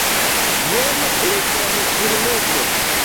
Jen reklamfilmeto.